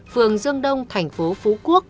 phường dương đông thành phố phú quốc